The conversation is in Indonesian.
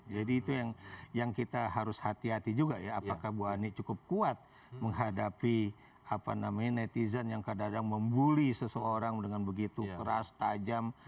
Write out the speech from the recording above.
jadi itu yang kita harus hati hati juga ya apakah ibu ani cukup kuat menghadapi apa namanya netizen yang kadang kadang membuli seseorang dengan begitu keras tajam